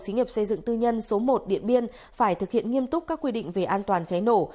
xí nghiệp xây dựng tư nhân số một điện biên phải thực hiện nghiêm túc các quy định về an toàn cháy nổ